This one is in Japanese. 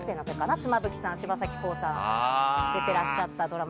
妻夫木さん、柴咲コウさんが出てらっしゃったドラマ。